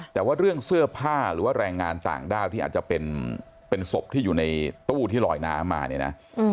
แต่ว่าเรื่องเสื้อผ้าหรือว่าแรงงานต่างด้าวที่อาจจะเป็นศพที่อยู่ในตู้ที่ลอยน้ำมาเนี่ยนะ